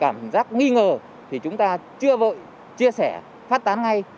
cảm giác nghi ngờ thì chúng ta chưa vội chia sẻ phát tán ngay